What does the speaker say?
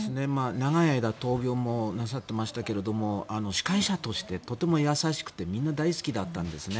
長い間闘病もなさってましたけれども司会者としてとても優しくてみんな大好きだったんですね。